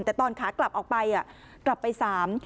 แต่ตอนขากลับออกไปกลับไปสาม